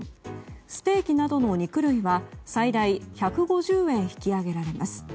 ステーキなどの肉類は最大１５０円引き上げられます。